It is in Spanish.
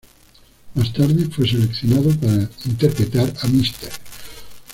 Más tarde fue seleccionado para interpretar a Mr.